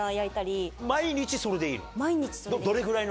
毎日それでいい。